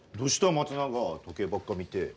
松永時計ばっか見て。